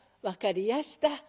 「分かりやした。